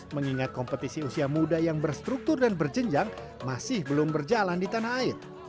mengingat kompetisi usia muda yang berstruktur dan berjenjang masih belum berjalan di tanah air